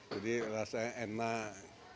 jadi rasanya enak